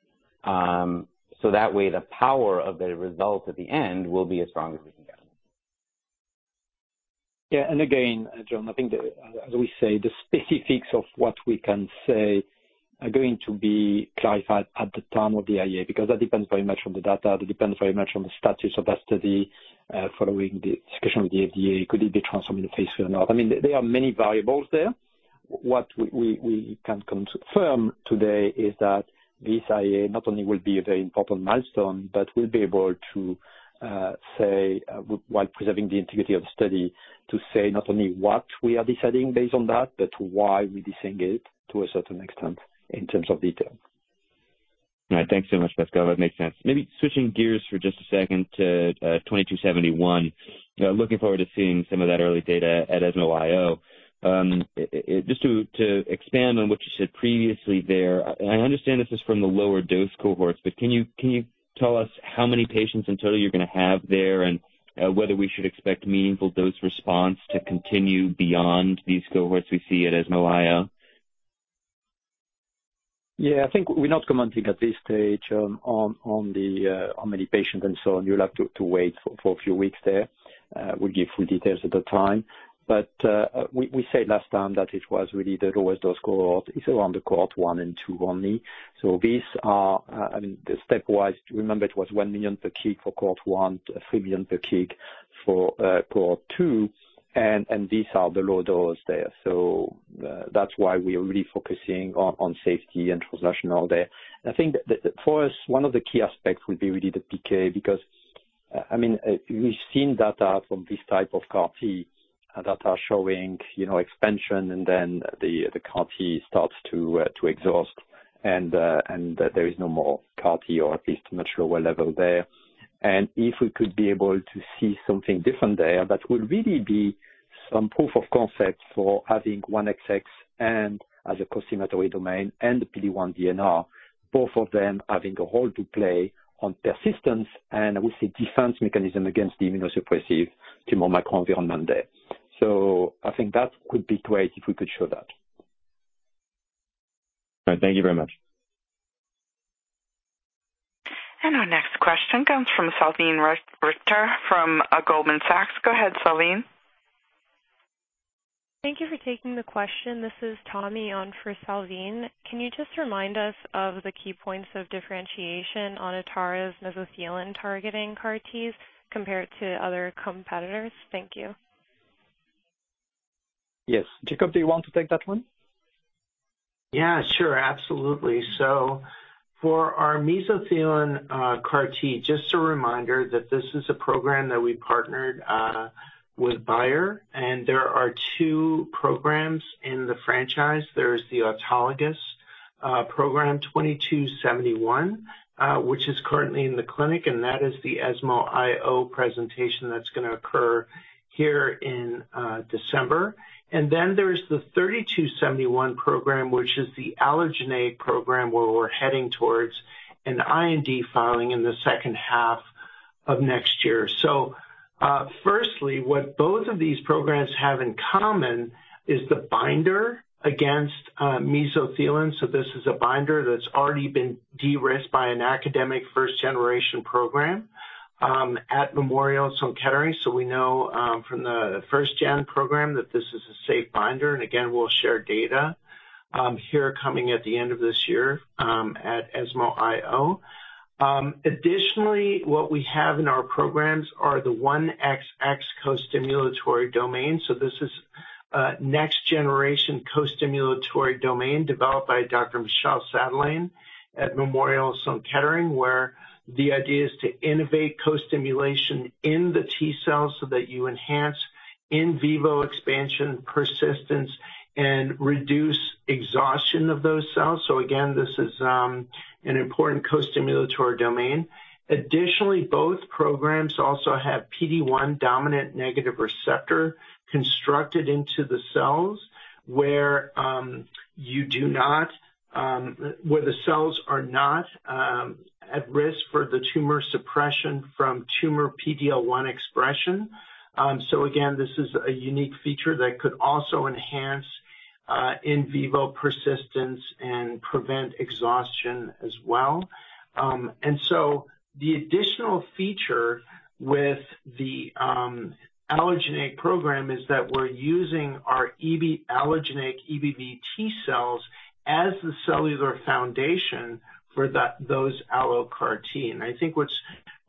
F: That way the power of the results at the end will be as strong as we can get.
C: Yeah. Again, John, I think as we say, the specifics of what we can say are going to be clarified at the time of the IA, because that depends very much on the data. That depends very much on the status of that study following the discussion with the FDA. Could it be transformed into phase II or not? I mean, there are many variables there. What we can confirm today is that this IA not only will be a very important milestone, but we'll be able to say while preserving the integrity of the study, to say not only what we are deciding based on that, but why we're deciding it to a certain extent in terms of detail.
K: All right. Thanks so much, Pascal. That makes sense. Maybe switching gears for just a second to ATA2271. Looking forward to seeing some of that early data at ESMO IO. Just to expand on what you said previously there. I understand this is from the lower dose cohorts, but can you tell us how many patients in total you're going to have there and whether we should expect meaningful dose response to continue beyond these cohorts we see at ESMO IO?
C: Yeah, I think we're not commenting at this stage on many patients and so on. You'll have to wait for a few weeks there. We'll give full details at the time. We said last time that it was really the lowest dose cohort. It's around the cohort 1 and 2 only. These are, I mean, the stepwise. Remember it was 1 million per kg for cohort 1, 3 million per kg for cohort 2, and these are the low dose there. That's why we are really focusing on safety and translational there. I think that for us, one of the key aspects will be really the PK, because I mean, we've seen data from this type of CAR-T that are showing, you know, expansion and then the CAR-T starts to exhaust and there is no more CAR-T or at least much lower level there. If we could be able to see something different there, that would really be some proof of concept for having 1XX as a co-stimulatory domain and the PD-1 DNR, both of them having a role to play on persistence, and we see defense mechanism against the immunosuppressive tumor microenvironment there. I think that could be great if we could show that.
K: All right. Thank you very much.
A: Our next question comes from Salveen Richter from Goldman Sachs. Go ahead, Salveen.
L: Thank you for taking the question. This is Tommy on for Salveen. Can you just remind us of the key points of differentiation on Atara's mesothelin-targeting CAR-Ts compared to other competitors? Thank you.
C: Yes. Jakob, do you want to take that one?
D: Yeah, sure. Absolutely. For our mesothelin CAR-T, just a reminder that this is a program that we partnered with Bayer, and there are two programs in the franchise. There's the autologous program, 2271, which is currently in the clinic, and that is the ESMO IO presentation that's gonna occur here in December. There's the 3271 program, which is the allogeneic program where we're heading towards an IND filing in the second half of next year. Firstly, what both of these programs have in common is the binder against mesothelin. This is a binder that's already been de-risked by an academic first-generation program at Memorial Sloan Kettering. We know from the first gen program that this is a safe binder, and again, we'll share data here coming at the end of this year at ESMO IO. Additionally, what we have in our programs are the 1XX co-stimulatory domain. This is a next generation co-stimulatory domain developed by Dr. Michel Sadelain at Memorial Sloan Kettering, where the idea is to innovate co-stimulation in the T cells so that you enhance in vivo expansion, persistence, and reduce exhaustion of those cells. Again, this is an important co-stimulatory domain. Additionally, both programs also have PD-1 dominant negative receptor constructed into the cells, where the cells are not at risk for the tumor suppression from tumor PD-L1 expression. Again, this is a unique feature that could also enhance in vivo persistence and prevent exhaustion as well. The additional feature with the allogeneic program is that we're using our allogeneic EBV T cells as the cellular foundation for those allo CAR-T. I think what's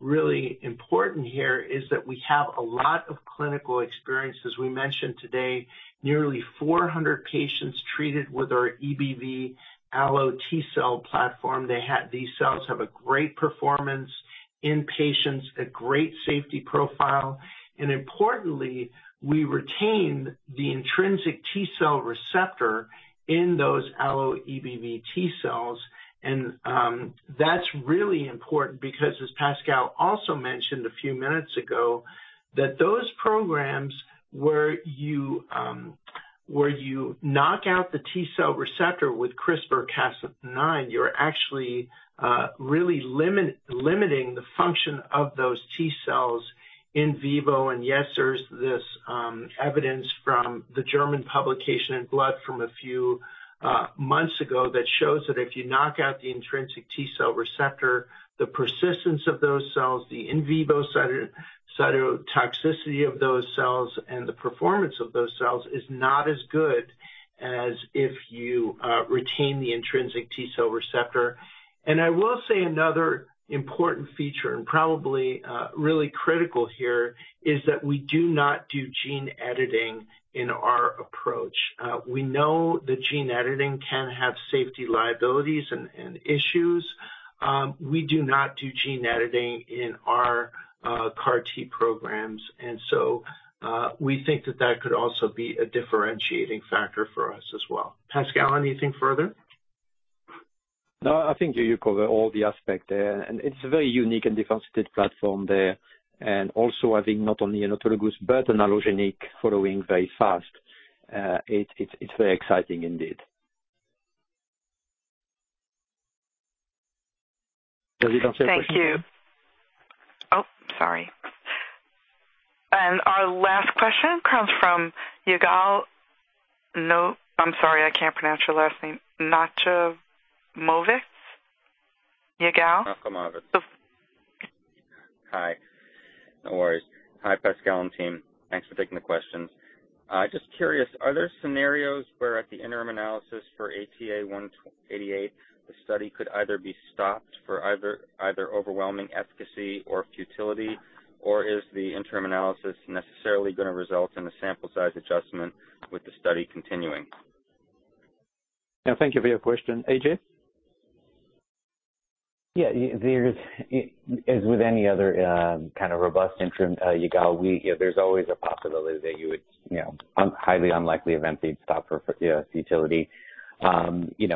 D: really important here is that we have a lot of clinical experience. As we mentioned today, nearly 400 patients treated with our EBV allo T cell platform. These cells have a great performance in patients, a great safety profile, and importantly, we retain the intrinsic T cell receptor in those allo EBV T cells. That's really important because, as Pascal also mentioned a few minutes ago, that those programs where you knock out the T cell receptor with CRISPR-Cas9, you're actually limiting the function of those T cells in vivo. Yes, there's this evidence from the German publication in Blood from a few months ago that shows that if you knock out the intrinsic T cell receptor, the persistence of those cells, the in vivo cytotoxicity of those cells, and the performance of those cells is not as good as if you retain the intrinsic T cell receptor. I will say another important feature, and probably really critical here, is that we do not do gene editing in our approach. We know that gene editing can have safety liabilities and issues. We do not do gene editing in our CAR-T programs, and so we think that could also be a differentiating factor for us as well. Pascal, anything further?
C: No, I think you covered all the aspects there, and it's a very unique and differentiated platform there. I think not only an autologous but an allogeneic following very fast. It's very exciting indeed.
A: Thank you. Oh, sorry. Our last question comes from Yigal. No, I'm sorry, I can't pronounce your last name. Nochomovitz. Yigal?
M: Nochomovitz. Hi. No worries. Hi, Pascal and team. Thanks for taking the questions. Just curious, are there scenarios where at the interim analysis for ATA188, the study could either be stopped for either overwhelming efficacy or futility? Or is the interim analysis necessarily going to result in a sample size adjustment with the study continuing?
C: Yeah, thank you for your question, AJ.
F: Yeah, there is. As with any other kind of robust interim, Yigal, there's always a possibility that you would, you know, a highly unlikely event that you'd stop for, you know, futility. There's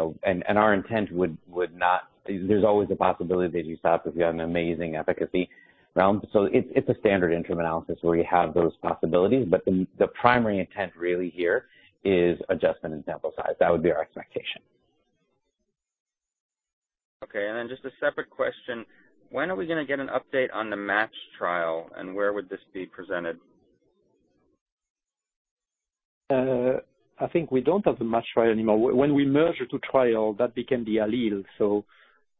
F: always a possibility that you stop if you have an amazing efficacy. So it's a standard interim analysis where you have those possibilities, but the primary intent really here is adjustment in sample size. That would be our expectation.
M: Okay. Just a separate question. When are we going to get an update on the MATCH trial and where would this be presented?
F: I think we don't have the MATCH trial anymore. When we merged the two trial, that became the ALLELE.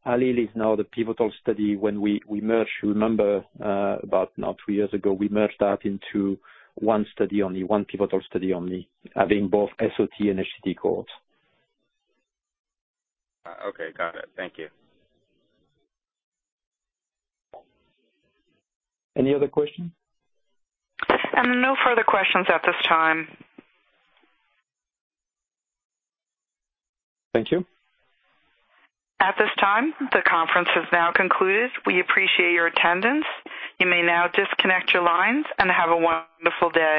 F: ALLELE is now the pivotal study when we merged. You remember, about now three years ago, we merged that into one study, only one pivotal study only, having both SOT and HCT cohorts.
M: Okay, got it. Thank you.
C: Any other questions?
A: No further questions at this time.
C: Thank you.
A: At this time, the conference has now concluded. We appreciate your attendance. You may now disconnect your lines and have a wonderful day.